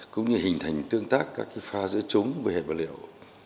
cũng như hình thành tương tác các cái pha giữa chúng với hệ vật liệu